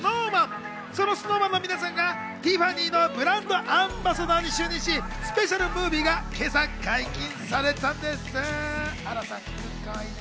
ＳｎｏｗＭａｎの皆さんがティファニーのブランドアンバサダーに就任し、スペシャルムービーが今朝解禁されんたんです。